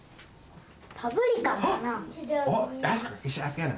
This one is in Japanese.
パプリカかな。